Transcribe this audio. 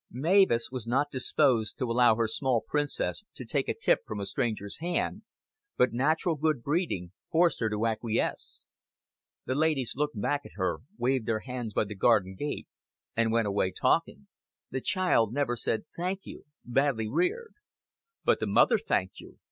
Mavis was not disposed to allow her small princess to take a tip from a stranger's hand; but natural good breeding forced her to acquiesce. The ladies looked back at her, waved their hands by the garden gate, and went away talking. "The child never said 'Thank you.' Badly reared." "But the mother thanked you.